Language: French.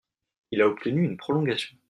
Il a obtenu une prolongation.